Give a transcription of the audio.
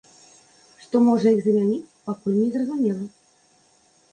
Што можа іх замяніць, пакуль незразумела.